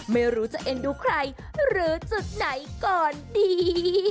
ไม่รู้จะเอ็นดูใครหรือจุดไหนก่อนดี